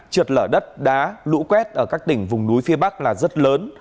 trượt lở đất đá lũ quét ở các tỉnh vùng núi phía bắc là rất lớn